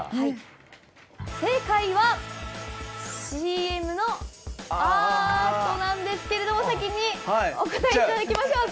正解はＣＭのあとなんですけども先にお答えいただきましょう。